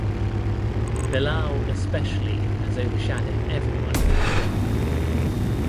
Bilal especially has overshadowed everyone in the film.